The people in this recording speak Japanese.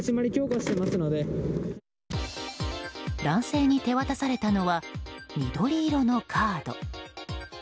男性に手渡されたのは緑色のカード。